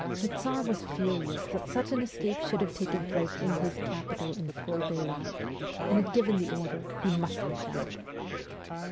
The Tsar was furious that such an escape should have taken place in his capital in full daylight, and had given the order, ' He must be found.'